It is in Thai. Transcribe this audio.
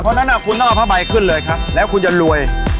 เพราะฉะนั้นคุณต้องเอาผ้าใบขึ้นเลยครับแล้วคุณจะรวย